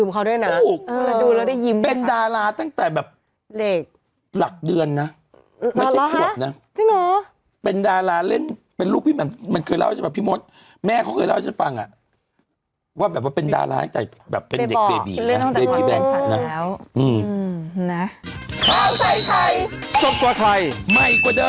ข้าวไทยไทยสดกว่าไทยใหม่กว่าเดิมเพิ่มเวลา